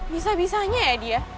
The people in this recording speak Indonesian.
bisa bisanya ya dia